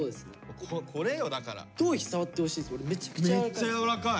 めっちゃ柔らかい！